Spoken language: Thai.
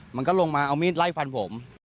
มันก็ลงมาเอามีดไล่ฟันผม